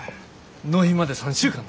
納品まで３週間です。